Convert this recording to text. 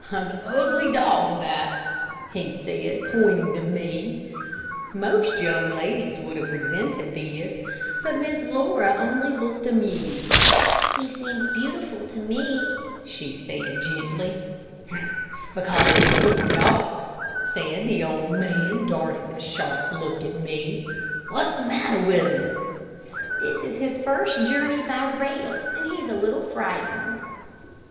"An ugly dog, that," he said, pointing to me. Most young ladies would have resented this, but Miss Laura only looked amused. "He seems beautiful to me," she said, gently. "H'm, because he's your dog," said the old man, darting a sharp look at me. "What's the matter with him?" "This is his first journey by rail, and he's a little frightened."